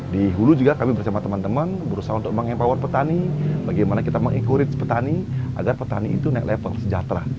di hulu juga kami bersama teman teman berusaha untuk meng empower petani bagaimana kita meng encourage petani agar petani itu naik level sejahtera